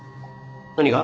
何が？